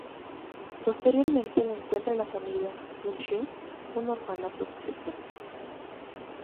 Posteriormente la encuentra la Familia Sunshine, un orfanato cristiano.